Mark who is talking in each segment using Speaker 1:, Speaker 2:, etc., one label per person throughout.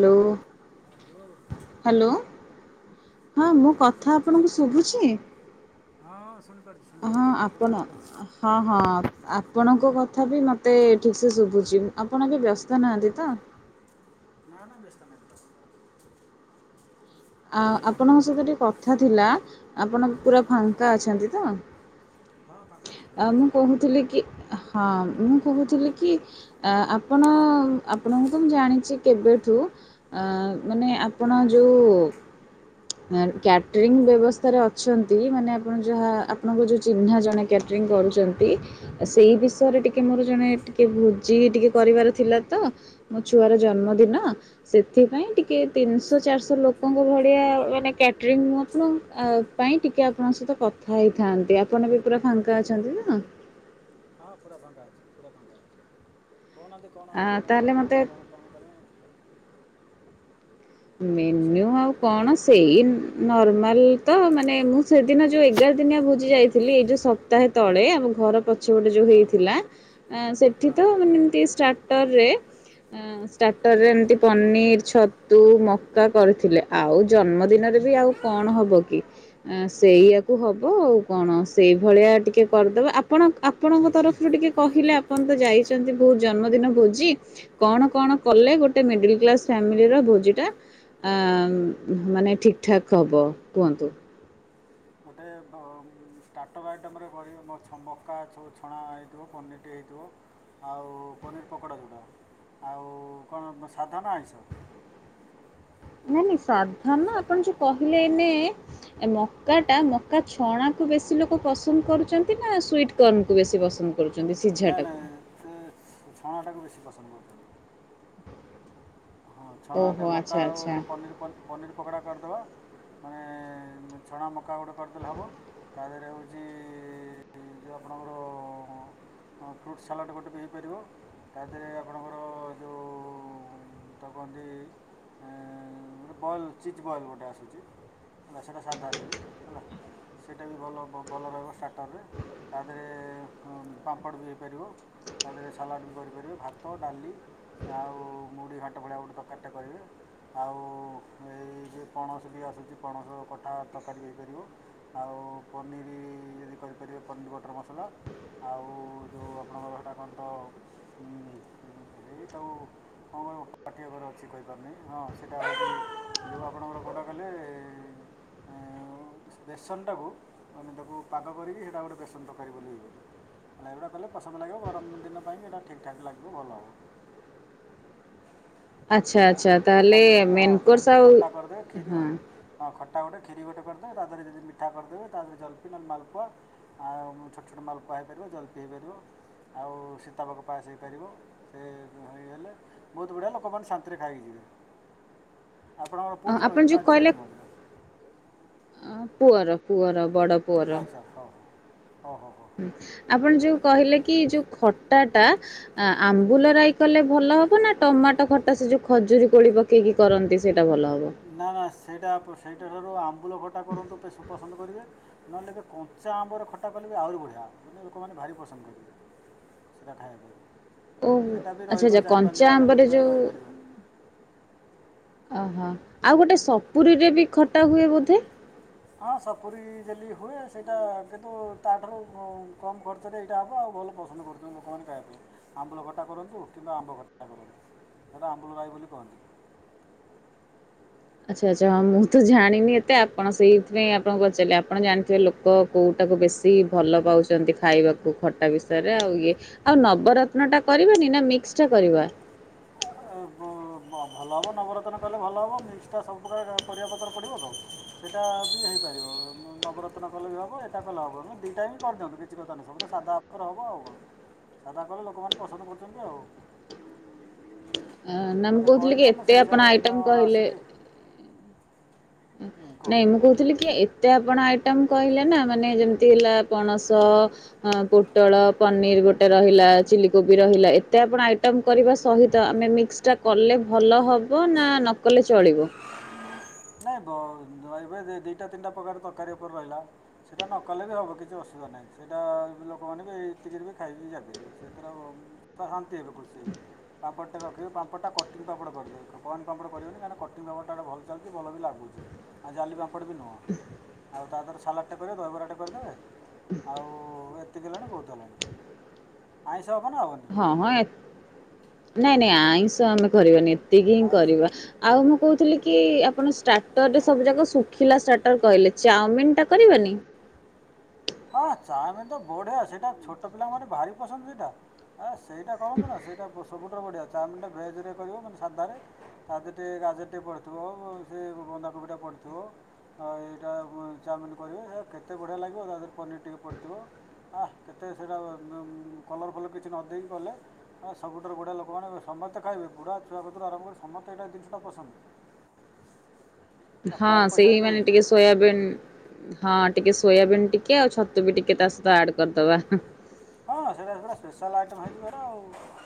Speaker 1: Hello.
Speaker 2: ହଁ hello.
Speaker 1: Hello.
Speaker 2: ହଁ ହଁ ଶୁଭୁଛି ଶୁଭୁଛି, ହଁ ଶୁଣିପାରୁଛି
Speaker 1: ହଁ
Speaker 2: ଶୁଣିପାରୁଛି, କହୁ
Speaker 1: ଆପଣ
Speaker 2: ନାହାନ୍ତି, କୁହନ୍ତୁ?
Speaker 1: ହଁ ହଁ। ଆପଣଙ୍କ କଥା ବି ମତେ ଠିକ ସେ ଶୁଭୁଛି, ଆପଣ ଏବେ ବ୍ୟସ୍ତ ନାହାନ୍ତି ତ?
Speaker 2: ନା ନା ବ୍ୟସ୍ତତା ନାହିଁ [unintelligible]
Speaker 1: ଆଉ ଆପଣଙ୍କ ସହିତ ଟିକେ କଥା ଥିଲା, ଆପଣ ପୁରା
Speaker 2: ହଁ କୁହନ୍ତୁ
Speaker 1: ଫାଙ୍କା ଅଛନ୍ତି ତ?
Speaker 2: ହଁ ପାଙ୍କା ଅଛି,
Speaker 1: ଆ
Speaker 2: ପାଙ୍କା
Speaker 1: ମୁଁ
Speaker 2: ଅଛି।
Speaker 1: କହୁଥିଲି କି ହଁ ମୁଁ କହୁଥିଲି କି ଆପଣ ଆପଣଙ୍କୁ ତ ମୁଁ ଜାଣିଛି। କେବେଠୁ ମାନେ
Speaker 2: ହୁଁ
Speaker 1: ଆପଣ ଯେଉଁ କ୍ୟାଟରିଂ ବ୍ୟବସ୍ଥାରେ ଅଛନ୍ତି, ମାନେ ଆପଣ ଯାହା ଆପଣଙ୍କ ଯୋଉ ଚିହ୍ନା ଜଣେ ଡ୍ରିଙ୍କ କରୁଚନ୍ତି। ସେଇ ବିଷୟରେ ଟିକେ ମୋର ଜଣେ ଟିକେ ବୁଜି ଟିକେ କରିବାର ଥିଲା ତ ମୋ ଛୁଆର ଜନ୍ମଦିନ। ସେଥିପାଇ ଟିକେ ତିନିଶ ଚାରିଶ, ଲୋକଙ୍କ ଭଳିଆ ମାନେ କ୍ୟାଟରିଙ୍ଗ [unintelligible] ଆ ପାଇଁ ଟିକେ ଆପଣଙ୍କ ସହିତ କଥା ହେଇଥାନ୍ତି। ଆପଣ ବି ପୁରା ଫାଙ୍କା ଅଛନ୍ତି ତ?
Speaker 2: ହଁ ପୁରା ଫାଙ୍କା ଅଛି ପୁରା ଫାଙ୍କା ଅଛି କୋହୁନାହାନ୍ତି କଣ
Speaker 1: ଆ,
Speaker 2: ମାନେ କ
Speaker 1: ତାହେଲେ ମୋତେ
Speaker 2: ମେନୁ କଣ କଣ କରିମେ? କହିସାର
Speaker 1: ମେନ୍ୟୁ ଆଉ କଣ ସେଇ ନର୍ମାଲ ତ ମାନେ ମୁଁ ସେଦିନ ଯୋଉ ଏଗାର ଦିନିଆ ଭୋଜି ଯାଇଥିଲି ଏଇ ଯୋଉ ସପ୍ତାହେ ତଳେ ଆମ ଘର ପା ସିଏ ଗୋଟେ ଯୋଉ
Speaker 2: ହଁ
Speaker 1: ହେଇଥିଲା ଆଁ ସେଠି
Speaker 2: ହଁ ହଁ
Speaker 1: ତ
Speaker 2: ହଁ
Speaker 1: ମାନେ ଏମିତି ଷ୍ଟା ଟରେ ଏଁ ଷ୍ଟାଟରେ ଏମିତି ପନିର୍ ଛ ତୁ ମକା କରିଥିଲେ ଆଉ ଜନ୍ମଦିନରେ ବି ଆଉ କଣ ହବ କି। ଆଁ ସେଇଆକୁ ହବ ଆଉ କଣ ସେଇ ଭଳିଆ ଟିକେ କରିଦବା। ଆପଣ ଆପଣଙ୍କ ତରଫରୁ ଟିକେ କହିଲେ ଆପଣ ତ ଯାଇଚନ୍ତି ବୋହୁତ ଜନ୍ମଦିନ ଭୋଜି କଣ କଣ କଲେ ଗୋଟେ ମିଡିଲି କ୍ଲାସ ଫାମିଲିର ଭୋ ଭୋଜିଟା ଆଁ ମାନେ ଠିକ୍ ଠାକ୍ ହବ କୁହନ୍ତୁ।
Speaker 2: ଗୋଟେ ଅ ଷ୍ଟାଟର ଆଇଟମରେ କରିବେ ମ ଛ ମକା ଛ-ଛଣା ହେଇଥିବ ପନିରଟିଏ ହେଇଥିବ। ଆଉ ପନିର୍ ପକୋଡା ଯୋଉଟା ଆଉ କଣ ସାଧ ନା ଆଇଁଷ?
Speaker 1: ନାଇଁ ନାଇଁ ସାଧା ନା ଆପଣ ଯୋଉ କହିଲେ ଏନେ ଏ ମକାଟା ମକା ଛଣାକୁ ବେଶୀ ଲୋକ ପସନ୍ଦ କରୁଚନ୍ତି ନା ସୁଇଟିକର୍ଣ୍ଣକୁ ବେଶୀ ପସନ୍ଦ କରୁଛନ୍ତି
Speaker 2: ନାଁ ନାଁ
Speaker 1: ସିଝାଟାକୁ?
Speaker 2: ସେ ସେ ଛଣାଟାକୁ ବେଶୀ ପସନ୍ଦ କରୁଚନ୍ତି। ହଁ ଛଣାଟା
Speaker 1: ଓହୋ
Speaker 2: ମକା
Speaker 1: ଆଚ୍ଛା
Speaker 2: ଆଉ
Speaker 1: ଆଚ୍ଛା
Speaker 2: ଗୋଟେ ପନିର୍ ପନି-ପନିର। ପକଡା କରିଦେବା ମାନେ ଛଣା ମକା ଗୋଟେ କରିଦେଲେ ହବ। ତା ଦେହରେ ହୋଉଚ ଯୋଉ ଆପଣଙ୍କର ହଁ ଫ୍ରୁଟ୍ ସାଲାଡ୍ ଗୋଟେ ବି ହେଇପାରିବ ତା ଦେହରେ ଆପଣଙ୍କର ଯୋଉ ତାକୁ କୁହନ୍ତି ଏଁ ଗୋଟେ ବଏଲ୍ ଚିଜ୍ ବଏଲ୍ ଗୋଟେ ଆସୁଚି। ହେଲା ସେଇଟା ସାଧାରେ ବି ହେଲା ସେଇଟା ବି ଭଲ ଭଲ ରହିବ ଷ୍ଟାଟରରେ। ତା ଦେହରେ ପାମ୍ପଡ ବି ହେଇପାରିବ। ତା ଦେହରେ ସାଲାଡ୍ ବି କରିପାରିବେ ଭାତ, ଡାଲି ଆଉ ମୁଢି ଘା ଣ୍ଟ ଭଲିଆ ତରକାରୀଟେ କରିବେ। ଆଉ ଏଇ ଯେ ପଣସ ବି ଆସୁଚି ପଣସ କଠା ତରକାରୀ ହେଇପାରିବ। ଆଉ ପନିର୍ ଯଦି କରିପାରିବେ ପନିର୍ ବଟର ମସଲା ଆଉ ଯୋଉ ଆପଣଙ୍କର ହେଟା କଣ ତ ହୁଁ ହୁଁ ହେଇ ତାକୁ କଣ କହିବୁ [unintelligible] ପାଟି ଅଗରେ ଅଛି କହିପାରୁନି ହଁ ସେଟା [unintelligible] ଯେଉଁ ଆପଣଙ୍କର କୋଉଟା କହିଲେ। ଏଁ ଆଉ ବେସନଟାକୁ ମାନେ ତାକୁ ପାଗ କରିକି ହେଟା ଗୋଟେ ବେସନ ତରକାରୀ ବୋଲି ହୋଇପାରିବ। ଏଉଡା କଲେ ପସନ୍ଦ ଲାଗିବ ଗରମ ଦିନ ପାଇଁ ଏଟା ଠିକ୍ ଠାକ୍ ଲାଗିବ ଭଲ ହବ।
Speaker 1: ଆଚ୍ଛା
Speaker 2: ଆଉ
Speaker 1: ଆଚ୍ଛା
Speaker 2: ହୋଉ
Speaker 1: ତାହେଲେ
Speaker 2: ଖଟାଟେ କରିବ ହଁ
Speaker 1: ମେନ୍ କୋର୍ସ ଆଉ
Speaker 2: ଖ-ଖଟା କରିଦେବେ କ୍ଷୀର ହଁ। ହଁ ଖଟା ଗୋଟେ କ୍ଷିରୀ ଗୋଟେ କରିଦେବେ ତା ଦେହରେ ଯଦି ମିଠା କରିଦେବେ ତା ଦେହରେ ଜଲପି ନହଲେ ମାଲପୁଆ ଆଉ ଛୋଟ ଛୋଟ ମାଲପୁଆ ହେଇପାରିବ ଜଲପି ହେଇପାରିବ। ଆଉ ସୀତାବାଘ ପାସ୍ ହେଇପାରିବ। ସେ ହେଇଗଲେ ବୋହୁତ ବଢିଆ ଲୋକମାନେ ଶା ନ୍ତି ରେ ଖାଇକି ଯିବେ। ଆପଣଙ୍କର ପୁଅ ଜନ୍ମ
Speaker 1: ଆପଣ
Speaker 2: ନା
Speaker 1: ଯୋଉ
Speaker 2: ଝିଅ ଜନ୍ମଦିନ?
Speaker 1: ଆଁ ପୁଅର ପୁଅର ବଡ
Speaker 2: ଆଚ୍ଛା ହୋଉ ହୋଉ ହୋଉ ହୋଉ।
Speaker 1: ଆପଣ ଯୋଉ କହିଲେ କି ଯୋଉ ଖଟାଟା ଆ ଆମ୍ବୁଲ ରାଇ କଲେ ଭଲ ହବ ନା ଟମାଟୋ ଖଟା ସେ ଯୋଉ ଖଜୁରୀ କୋଳିି ପ ପକେଇକି କରନ୍ତି ସେଇଟା ଭଲ ହେବ।
Speaker 2: ନା ନା ସେଇଟା ଆପୁ ସେଇଟା ଠାରୁ ଆମ୍ବୁଲ ଖଟା କରନ୍ତୁ ବେସି ପସନ୍ଦ କରିବେ। ନହେଲେ ଏବେ କଞ୍ଚା ଆମ୍ବରେ ଖଟା କଲେ ବି ଆହୁରି ବଢ଼ିଆ ହବ ମାନେ ଲୋକମାନେ ଭାରି ପସନ୍ଦ କରିବେ। ସେଇଟା ଖାଇବାକୁ
Speaker 1: ଓ
Speaker 2: ସେଇଟା ବି
Speaker 1: ଆଚ୍ଛା
Speaker 2: ରହିବ
Speaker 1: ଆଚ୍ଛା
Speaker 2: ଚାରି ପାଞ୍ଚ
Speaker 1: କଞ୍ଚା
Speaker 2: ଦିନି ଆଠ ଦିନି
Speaker 1: ଆମ୍ବରେ
Speaker 2: ପର୍ଯ୍ୟନ୍ତ
Speaker 1: ଯୋଉ
Speaker 2: ରହିପାରିବ।
Speaker 1: ଓହୋ ଆଉ ଗୋଟେ ସପୁରୀରେ ବି ଖଟା ହୁଏ ବୋଧେ?
Speaker 2: ହଁ ସପୁରୀ ଯେଲି ହୁଏ ସେଇଟା କିନ୍ତୁ ତାଠାରୁ କମ୍ ଖର୍ଚ୍ଚରେ ଏଇଟା ହେବ ଆଉ ଭଲ ପସନ୍ଦ କରୁ ଲୋକମାନେ ଖାଇବା ପାଇଁ ଆମ୍ବୁଲ ଖଟା କରନ୍ତୁ କିମ୍ବା ଆମ୍ବ ଖଟା କରନ୍ତୁ ସେଇଟା ଆମ୍ବୁଲ ରାଇ ବୋଲି କହନ୍ତି।
Speaker 1: ଆଚ୍ଛା ଆଚ୍ଛା ହଁ ମୁଁ ତ ଜାଣିନି ଏତେ ଆପଣ ସେଇଥିପାଇଁ ଆପଣଙ୍କୁ ପଚାରିଲି ଆପଣ ଜାଣିଥିବେ ଲୋକ କଉଟାକୁ ବେଶୀ ଭଲ ପାଉଛନ୍ତି ଖାଇବାକୁ ଖଟା ବିଷୟରେ ଆଉ ଇଏ ଆଉ ନବରତ୍ନ ଟା କରିବାନି ନା ମିକ୍ସ୍ ଟା କରିବା?
Speaker 2: ଏ ବୁ ଭଲ ହେବ ନବରତ୍ନ କଲେ ଭଲ ହେବ ମିକ୍ସଟା ସବୁପ୍ରକାର ପରିବାପତ୍ର ପଡ଼ିବ କଣ? ସେଇଟା ବି ହେଇପାରିବ ନୁ ନବରତ୍ନ କଲେ ବି ହବ। ଏଟା କଲେ ହବ। ନା ଦିଟାଆଙ୍କ କରିଦିଅନ୍ତୁ କିଛି କଥା ନାହିଁ ସବୁତ ସାଧା ଉପରେ ହବ ଆଉ କଣ ସାଦା କଲେ ଲୋକମାନେ ପସନ୍ଦ କରୁଚନ୍ତି ଆଉ।
Speaker 1: ଅ ନା ମୁଁ
Speaker 2: ମୋତେ
Speaker 1: କହୁଥିଲି କି
Speaker 2: କହିଲେ ମୁଁ
Speaker 1: ଏତେ
Speaker 2: ସେଇ
Speaker 1: ଆପଣ
Speaker 2: ହିସାବରେ
Speaker 1: ଆଇଟମ୍
Speaker 2: ମ-
Speaker 1: କହିଲେ
Speaker 2: ଆସିକି
Speaker 1: ଉଁ
Speaker 2: ହୁଁ,
Speaker 1: ନାଇଁ
Speaker 2: କୁହନ୍ତୁ
Speaker 1: ମୁଁ କହୁଥିଲି କି ଏ ଏତେ ଆପଣ ଆଇଟମ୍ କହିଲେ ନା ମାନେ ଯେମିତି ହେଲା ପଣସ ହଁ ପୋଟଳ ପନିର ଗୋଟେ ରହିଲା। ଚିଲି କୋବି ରହିଲା। ଏତେ ଆପଣ ଆଇଟମ୍ କରିବା ସହିତ ଆମେ ମିକ୍ସଟା କଲେ ଭଲ ହବ ନା ନକଲେ ଚଳିବ?
Speaker 2: ନାଇଁ ବ ବଇବେ ଯେ ଦିଟା ତିନିଟା ପ୍ରକାର ତରକାରୀ ଉପରେ ରହିଲା। ସେଇଟା ନକଲେ ବି ହବ କିଛି ଅସୁବିଧା ନାହିଁ। ସେଇଟା ଲୋକମାନେ ବି ଏତିକିରୁ ବି ଖାଇକି ଯାଇପାରିବେ। ସେ ତାର ନାଁ ସାନ୍ତି ହେବେ ଖୁସି ହେବେ। ପାମ୍ପଡ ଟା ରଖିବେ। ପାମ୍ପଡ ଟା କଟିଂ ପାମ୍ପଡ କରିଲେ। କଏନ୍ ପାମ୍ପଡ କରିବେନି। କାହିଁକି ନା କଟିଂ ପାମ୍ପଡ ଟା ଭଲ ଚାଲିଚି ଭଲ ବି ଲାଗୁଚି। ଆଉ ଜାଲିି ବାମ୍ପଡ଼ ବି ନୁହଁ। ଆଉ ତା ପରେ ସାଲାଟ୍ ଟେ କରିବେ ଦହିବରା ଟେ କରିଦେବେ। ଆଉ ଏତିକି ହେଲାଣି ବହୁତ ହେଲାଣି ଆଇଁଷ ହବ ନା ହବନି?
Speaker 1: ହଁ ହଁ ଏ ନାଇଁ ନାଇଁ ଆଇଁଷ ଆମେ କରିବାନି ଏତିକି ହିଁ
Speaker 2: ଆଇଁଷ ନୁହେଁ
Speaker 1: କରିବା। ଆଉ ମୁଁ କହୁଥିଲି କି ଆପଣ ଷ୍ଟାର୍ଟର ରେ ସବୁ ଯାକ ଶୁଖିଲା ଷ୍ଟାର୍ଟର କହିଲେ। ଚାଓମିିନ୍ ଟା କରିବାନି?
Speaker 2: ହଁ ଚଓମିନ ତ ବଢିଆ ସେଇଟା ଛୋଟ ପିଲା ମାନେ ଭାରି ପସନ୍ଦ ସେଇଟା। ଆ ସେଇଟା କରନ୍ତୁ ନା। ସେଇଟା ବୁ ସବୁଠାରୁ ବଢ଼ିଆ। ଚାଓମିନଟା ଭେଜ୍ ରେ କରିବେ ନନେ ସାଧାରେ। ତା ଦେହରେ ଟିକେ ଗାଜର ଟିକେ ପଡ଼ିଥୁବ। ବୁ ସେ ବ ବନ୍ଧାକୋବି ଟା ପଡ଼ିଥିବ। ହଁ ଏଇଟା ବୁ ଚାଓମିନ କରିବେ ହେ କେତେ ବଢ଼ିଆ ଲାଗିବ। ତା ଦେହରେ ପନିର୍ ଟିକେ ପଡ଼ିଥିବ। ଆଃ କେତେ ସେଇଟା ଉଁ କଲର ଫଲର୍ କିଛି ନ ଦେଇକି କଲେ ହଁ ସବୁଠାରୁ ବଢିଆ ଲୋକମାନେ ସମସ୍ତେ ଖାଇବେ। ବୁଢ଼ା ଛୁଆ କତୁରୁ ଆରମ୍ଭ କରି ସମସ୍ତେ ଏଇଟା ଜିନିଷଟା ପସନ୍ଦ। [inaudible]
Speaker 1: ହଁ,
Speaker 2: କମ୍
Speaker 1: ସେଇ
Speaker 2: ପଇସାରେ ବି
Speaker 1: ମାନେ
Speaker 2: ହେଇଯିବ।
Speaker 1: ଟିକେ ସୋୟାବିନ୍ ହଁ ଟିକେ ସୋୟାବିନ୍ ଟିକେ ଆଉ ଛତୁ ବି ଟିକେ ତା ସହିତ ଆଡ କରିଦବା ହୁଁ।
Speaker 2: ହଁ ସେଇଟା ସେଇଟା ସ୍ପେଶାଲ ଆଇଟମ୍ ହେଇଯିବ ହେଟା ଆଉ।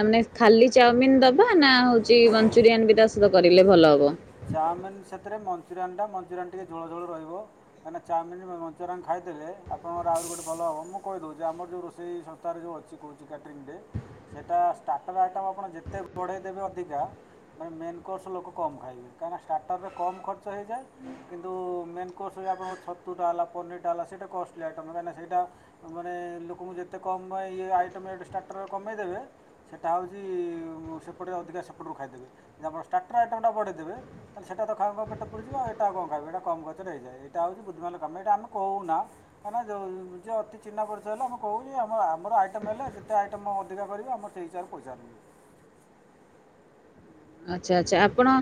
Speaker 1: ଆ ମାନେ ଖାଲି ଚାଓମିିନ ଦବା ନା ହଉଚି ମଞ୍ଚୁରିଆନ୍ ବି ତା ସହିତ କରିଲେ ଭଲ ହବ?
Speaker 2: ଚାଓମିନ୍ ସେଥିରେ ମଞ୍ଚୁରିଆନ୍ ଟା ମଞ୍ଚୁରିଆନ ଟିକେ ଝୋଳ ଝୋଳ ରହିବ। ମାନେ ଚାଓମିନ୍ ମ ମଞ୍ଚୁରରିଆନ୍ ଖାଇଥିଲେ। ଆପଣର ଆହୁରି ଗୋଟେ ଭଲ ହବ। ମୁଁ କହିଦଉଚି, ଯେ ଆମର ଯଉ ରୋଷେଇ ସଂସ୍ଥାରେ ଯଉ ଅଛି। କହୁଚୁ କ୍ୟାଟ୍ରିଙ୍ଗ ଡେ। ସେଇଟା ଷ୍ଟାର୍ଟର ଆଇଟମ୍ ଆପଣ ଯେତେ ବଢ଼େଇ ଦେବେ ଅଧିକା ମାନେ ମେନ୍ କୋର୍ସ ଲୋକ କମ୍ ଖାଇବେ। କାହିଁକିନା ଷ୍ଟାର୍ଟର ରେ କମ୍ ଖର୍ଚ୍ଚ ହେଇଯାଏ। କିନ୍ତୁ ମେନ୍ କୋର୍ସ ରେ ଆପଣଙ୍କ ଛତୁଟା ହେଲା ପନିରଟା ହେଲା ସେଇଟା କଷ୍ଟ ଚିଲି ଆଇଟମ୍ କାହିଁକିନା ସେଇଟା ମାନେ ଲୋକଙ୍କୁ ଯେତେ କମ୍ ମା ଇଏ ଆଇଟମେ ଷ୍ଟାର୍ଟରରେ କମେଇ ଦେବେ। ସେଟା ହଉଜି ମୁଁ ସେପଟେ ଅଧିକା ସେପଟରୁ ଖାଇଦେବେ। ଯା ଫଳ ଷ୍ଟାର୍ଟର ଆଇଟମ୍ ଟା ବଢ଼େଇ ଦେବେ। ତାହେଲେ ସେଟା ତ ଖାଉଁ ଖାଁଉଁ ପେଟ ପୁରି ଯିବ। ଆ ଏଟା ଆଉ କଣ ଖାଇବେ, ଏଇଟା କମ୍ ଖର୍ଚ୍ଚ ରେ ହେଇଯାଏ। ଏଟା ହେଉଚି [unintelligible] କାମ ଏଇଟା ଆମେ କହୁନା। କାଇଁନା ଯଉ ଯେ ଅତି ଚିହ୍ନା ପରିଚୟ ହେଲେ ଆମେ କହୁ ଯେ, ଆମର ଆମର ଆଇଟମ ହେଲେ ଯେତେ ଆଇଟମ ଅଧିକା କରିବ ଆମର ସେଇ ହିସାବରେ ପଇସାଲୁ।
Speaker 1: ଆଚ୍ଛା ଆଚ୍ଛା। ଆପଣ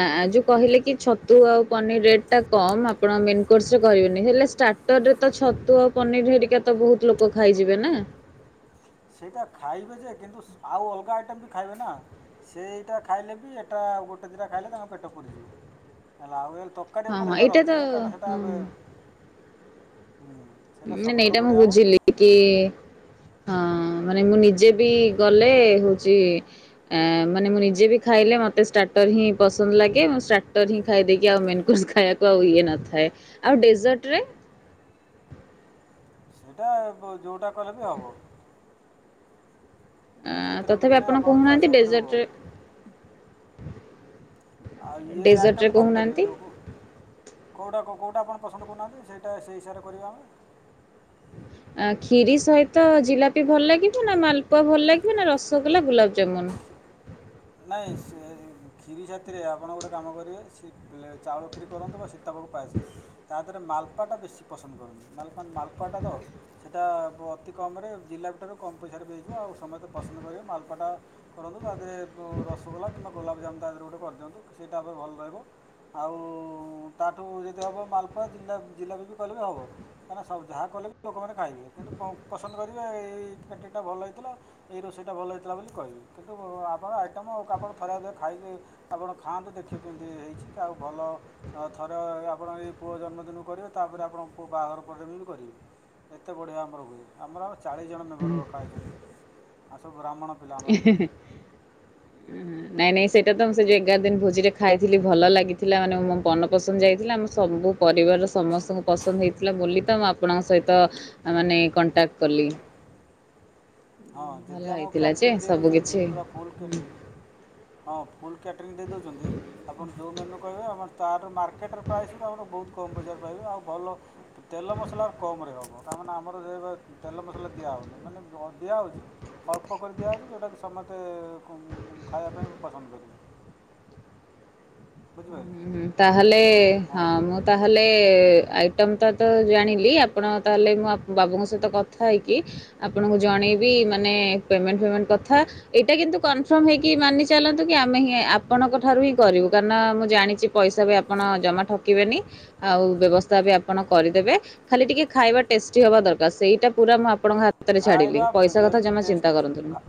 Speaker 1: ଆଁ ଯୋଉ କହିଲେ କି ଛତୁ ଆଉ ପନିର ରେଟ୍ ଟା କମ, ଆପଣ ମେନ୍ କୋର୍ସ ରେ କହିବେନି, ହେଲେ ଷ୍ଟା ଟର ରେ ତ ଛତୁ ଆଉ ପନିର ହେରିକା ତ ବହୁତ ଲୋକ ଖାଇଯିବେ ନା।
Speaker 2: ସେଇଟା ଖାଇବେ ଯେ କିନ୍ତୁ ସୁ ଆଉ ଅଲଗା ଆଇଟମ୍ ବି ଖାଇବେ ନା। ସେ ଏଇଟା ଖାଇଲେ ବି ଏଟା ଆଉ ଗୋଟେ ଦିଟା ଖାଇଲେ ତାଙ୍କ ପେଟ ପୁରିଯିବ, ହେଲା ଆଉ ଏଲ ତ କାଡିଆ
Speaker 1: ହଁ
Speaker 2: ଉପରେ
Speaker 1: ହଁ
Speaker 2: ହେଲେ
Speaker 1: ଏଇଟା ତ
Speaker 2: ରଖିଲେ କାହିଁନା ହେଟା
Speaker 1: ହଁ
Speaker 2: ଏବେ ହୁଁ। ସେଟା
Speaker 1: ନେ ନାଇଁ
Speaker 2: ସବୁଠାରୁ
Speaker 1: ଏଇଟା ମୁଁ
Speaker 2: ବଢ଼ିଆ ହେବ
Speaker 1: ବୁଝିଲି କି ହଁ ମାନେ ମୁଁ ନିଜେ ବି ଗଲେ ହଉଚି ଏଁ ମାନେ ମୁଁ ନିଜେ ବି ଖାଇଲେ ମୋତେ ଷ୍ଟାର୍ଟର୍ ହିଁ ପସନ୍ଦ ଲାଗେ, ମୁଁ ଷ୍ଟାର୍ଟର୍ ହିଁ ଖାଇଦେଇକି ଆଉ ମେନକୁର୍ସ ଖୁ ଖାଇବାକୁଆ ଇଏ ନଥାଏ, ଆଉ ଡେଜର୍ଟରେ?
Speaker 2: ସେଇଟା ବୁ ଯୋଉଟା କଲେ ବି ହବ। ହେଲା
Speaker 1: ଆଁ
Speaker 2: ସେଥିରେ କିଛି
Speaker 1: ତଥାପି
Speaker 2: ନାହିଁ
Speaker 1: ଆପଣ
Speaker 2: ଆପଣଙ୍କ ଚଏସ୍
Speaker 1: କହୁନାହାନ୍ତି
Speaker 2: ଉପରେ ହେବ
Speaker 1: ଡେଜର୍ଟରେ
Speaker 2: ଆଉ ଇଏ
Speaker 1: ଡେଜର୍ଟରେ
Speaker 2: ଆଇଟମ୍ କରିପାରିବେ
Speaker 1: କହୁନାହାନ୍ତି
Speaker 2: ଯଉ କୁ? କେଉଁଟା କେଉଁଟା ଆପଣ ପସନ୍ଦ କରୁନାହାନ୍ତି ସେଇଟା ସେଇ ହିସାବରେ କରିବା। [inaudible]
Speaker 1: ଆ ଖିରି ସହିତ ଜିଲାପି ଭଲ ଲାଗିବ ନା ମାଲପୁଆ ଭଲ ଲାଗିବ ନା ରସଗୋଲା ଗୁଲାବଜାମୁନ?
Speaker 2: ନାଇଁ ସେ କ୍ଷୀରି ସାଥିରେ ଆପଣ ଗୋଟେ କାମ କରନ୍ତୁ ସ ଚାଉଳ କ୍ଷୀରି କରନ୍ତୁ ସୀ ତା ବ ପାଇଇ ସେ ତା ଦେହରେ ମାଲପୁଆ ଟା ବେଶୀ ପସନ୍ଦ କରନ୍ତି ମାଲପୁଆ ତ ସେଇଟା ଅତି କମରେ ଜିଲାପି ଠାରୁ କମ୍ ପଇସାରେ ମିଳିବ ଆଉ ସମସ୍ତେ ପସନ୍ଦ କରିବେ ମାଲପୁଅ ଟା କରନ୍ତୁ ତା ଦେହରେ ରସଗୋଲା କିମ୍ବା ଗୋଲାପଜାମୁ ତା ଦେହରେ ଗୋଟେ କରିଦିଅନ୍ତୁ ସେଇଟା ଏବେ ଭଲ ରହିବ। ଆଉ ଉ ତାଠୁ ଯଦି ହବ ମାଲପୁଆ ଜିଲ୍ଲା ଜିଲାପି ବି ବିି କହିଲେ ହବ। ଯାହା କଲେ ବି ଲୋକମାନେ ଖାଇବେ, କିନ୍ତୁ ପସନ୍ଦ କରିବେ ଏଇ [unintelligible] ଭଲ ହେଇଥିଲା। ଏଇ ରୋଷେଇ ଟା ଭଲ ହେଇଥିଲା ବୋଲି କହିବେ, କିନ୍ତୁ ଆପଣ ଉ ଆଉ କାପଣ ଥରେ ଅଧେ ଖାଇକି ଆପଣ ଖାଆନ୍ତୁ ଦେଖିବେ କେମିତି ହେଇଛି କି ଆଉ ଭଲ ଆଉ ଥରେ ଆପଣ ଏଇ ପୁଅ ଜନ୍ମଦିନକୁ କରିବେ ତାପରେ ଆପଣ ବାହାଘର ପରେ ବି ବି କରିବେ। ଏତେ ବଢ଼ିଆ ଆମର ହୁଏ ଆମର ଚାଳିଶ ଜଣ ମେମ୍ବର ରଖା ହେଇଛନ୍ତି, ଆଉ ସବୁ ବ୍ରାହ୍ମଣ ପିଲା ଆମର
Speaker 1: [unintelligible]
Speaker 2: [unintelligible]
Speaker 1: ନାଇଁ ନାଇଁ ସେଇଟା ତ ମୁଁ ସେଉ ଏଗାର ଦିନ ଭୋଜିରେ ଖାଇଥିଲି ଭଲ ଲାଗିଥିଲା, ମାନେ ମୋ ମନ ପସନ୍ଦ ଯାଇଥିଲା ଆମ ସବୁ ପରିବାରର ସମସ୍ତଙ୍କୁ ପସନ୍ଦ ହେଇଥିଲା ବୋଲି ତ ମୁଁ ଆପଣଙ୍କ ସହିତ ମାନେ କଣ୍ଟାକ୍ଟ କଲି।
Speaker 2: ହଁ
Speaker 1: ଭଲ
Speaker 2: ଯଦି ଆମକୁ
Speaker 1: ହେଇଥିଲା ଯେ
Speaker 2: କ୍ୟାଟରିଂ ଦେଇ
Speaker 1: ସବୁ
Speaker 2: ଦେଉଛନ୍ତି
Speaker 1: କିିଛି।
Speaker 2: ପୁରା ଫୁଲ୍ କ୍ୟାଟରିଂ, ହଁ ଫୁଲ କ୍ୟାଟରିଂ ଦେଇ ଦେଉଛନ୍ତି। ଆପଣ ଯେଉଁ ମେନ୍ୟୁ କହିବେ ଆମ ତାର ମାର୍କେଟର ପ୍ରାଇସରୁ ଆମର ବହୁତ କମ୍ ପଇସାରେ ପାଇବେ, ଆଉ ଭଲ ତେଲ ମସଲା କମ ରେ ହବ ତା ମାନେ ଆମର ଯେ ତେଲ ମସଲା ଦିଆହେଉନି, ମାନେ ଦିଆହେଉଛି ଅଳ୍ପ କରି ଦିଆହେଉଛି ଯେଉଁଟାକି ସମସ୍ତେ ଖାଇବା ପାଇଁ ପସନ୍ଦ କରିବେ। ବୁଝିିପାରିଲେ।
Speaker 1: ହଁ ତାହେଲେ ହଁ ମୁଁ ତାହେଲେ ଆଇଟମ୍ ତ ଜାଣିଲି ଆପଣ ତାହେଲେ ମୁଁ ବାବୁଙ୍କ ସହିତ କଥା ହେବି। ଆପଣଙ୍କୁ ଜଣେଇବି ମାନେ ପେମେଣ୍ଟ ଫେମେଣ୍ଟ କଥା। ଏଇଟା କିନ୍ତୁ କନଫର୍ମ ହେଇକି ମାନି ଚାଲନ୍ତୁ କି ଆମେ ହିଁ ଆପଣଙ୍କ ଠାରୁ ହିଁ କରିବୁ। କାରଣ ମୁଁ ଜାଣିଚି ପଇସା ବି ଆପଣ ଜମା ଠକିବେନି। ଆଉ ବ୍ୟବସ୍ଥା ବି ଆ ଆପଣ କରିଦେବେ। ଖାଲି ଟିକେ ଖାଇବା ଟେଷ୍ଟି ହବା ଦରକାର। ସେଇଟା ପୁରା ମୁଁ ଆପଣଙ୍କ ହା ହାତ ରେ ଛାଡିଲି,
Speaker 2: ଖାଇବା
Speaker 1: ପଇସା କଥା
Speaker 2: ଯଦି
Speaker 1: ଜମା ଚିନ୍ତା କରନ୍ତୁନି।
Speaker 2: ଟେଷ୍ଟ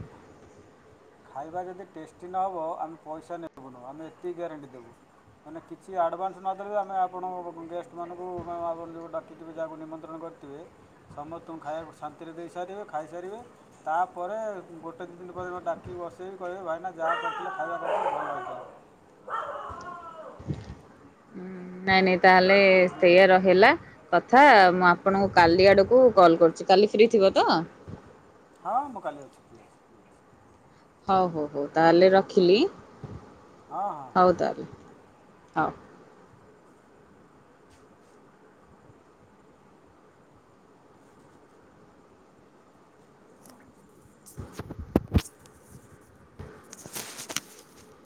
Speaker 2: ଖାଇବା ଯଦି ଟେଷ୍ଟି ନହବ ଆମେ ପଇସା ନେବୁନୁ। ଆମେ ଏତିକି ଗ୍ୟାରେଣ୍ଟି ଦେବୁ। ମାନେ କିଛି ଆଡ଼ଭାନ୍ସ ନଦେଲେ ବି ଆମେ ଆପଣ ଗେଷ୍ଟମାନଙ୍କୁ ଆପଣ ଯେଉଁ ଡାକିଥିବେ ଯାହାକୁ ନିମନ୍ତ୍ରଣ କରି ଥିବେ ସମସ୍ତଙ୍କୁ ଖାଇବାକୁ ଶାନ୍ତିରେ ଦେଇସାରିବେ ଖାଇସାରିବେ। ତାପରେ ଗୋଟେ ଦି ଦିନ ପରେ ମତେ ଡାକ୍ କି କି ବସେଇବେ କହିବେ ଭାଇନା ଯାହା କରିଥିଲେ ଖାଇବା କରିଥିଲେ ଭଲ ହେଇଥିଲା।
Speaker 1: ନାଇଁ ନାଇଁ ତାହେଲେ ସେଇଆ
Speaker 2: ବୁଝିପାରିଲେ
Speaker 1: ରହିଲା। କଥା, ମୁଁ ଆପଣଙ୍କୁ କାଲି ଆଡକୁ କଲ୍ କରୁଚି। କାଲି ଫ୍ରି ଥିବ ତ?
Speaker 2: ହଁ ମୁଁ କାଲି ଅଛି ଫ୍ରି।
Speaker 1: ହଉ ହଉ ହଉ ତାହେଲେ ରଖିଲି।
Speaker 2: ହଁ ହଁ।
Speaker 1: ହଉ ତାହେଲେ ହଉ।
Speaker 2: [inaudible] [inaudible]